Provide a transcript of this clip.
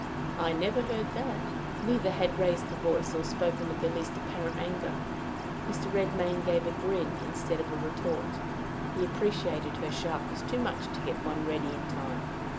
"I never heard that." Neither had raised the voice, or spoken with the least apparent anger. Mr. Redmain gave a grin instead of a retort. He appreciated her sharpness too much to get one ready in time.